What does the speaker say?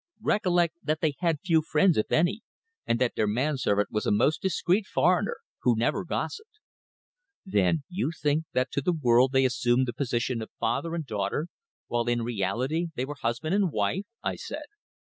Recollect that they had few friends, if any, and that their man servant was a most discreet foreigner, who never gossiped." "Then you think that to the world they assumed the position of father and daughter, while in reality they were husband and wife?" I said.